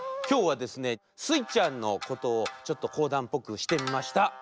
きょうはですねスイちゃんのことをちょっとこうだんぽくしてみました。